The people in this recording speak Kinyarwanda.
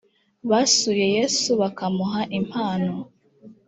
basuye yesu bakamuha impano